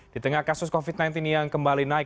di tengah kasus covid sembilan belas yang kembali naik